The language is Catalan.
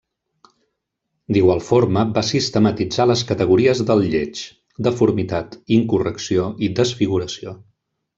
D'igual forma, va sistematitzar les categories del lleig: deformitat, incorrecció i desfiguració.